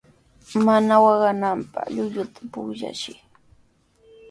Mana waqananpaq llulluta pukllachiy.